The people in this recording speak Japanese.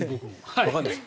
わからないです。